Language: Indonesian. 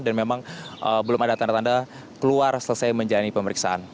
dan memang belum ada tanda tanda keluar selesai menjalani pemeriksaan